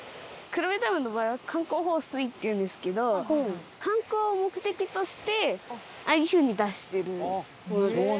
黒部ダムの場合は観光放水っていうんですけど観光を目的としてああいうふうに出してるんです。